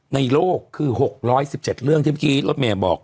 ในโลกคือ๖๑๗เรื่องที่ภิกษ์รถเมียบอก